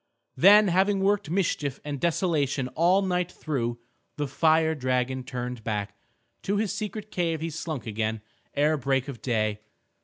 Then having worked mischief and desolation all night through, the fire dragon turned back; to his secret cave he slunk again ere break of day.